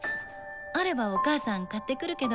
あればお母さん買ってくるけど。